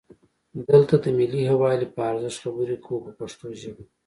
دلته د ملي یووالي په ارزښت خبرې کوو په پښتو ژبه.